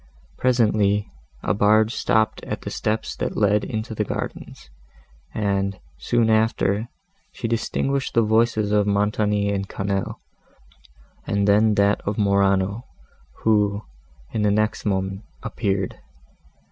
Presently, a barge stopped at the steps that led into the gardens, and, soon after, she distinguished the voices of Montoni and Quesnel, and then that of Morano, who, in the next moment, appeared.